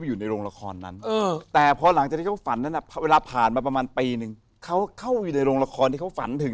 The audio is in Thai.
รูปเวทนาสังขารวิญญาณ